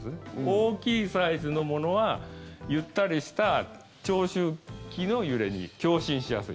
大きいサイズのものはゆったりした長周期の揺れに共振しやすい。